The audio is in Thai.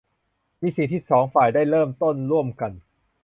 มีสิ่งที่สองฝ่ายได้เริ่มต้นร่วมกัน